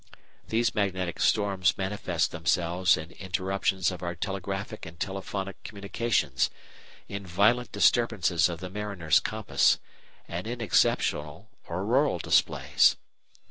These magnetic storms manifest themselves in interruptions of our telegraphic and telephonic communications, in violent disturbances of the mariner's compass, and in exceptional auroral displays.